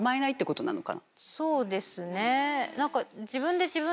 そうですね。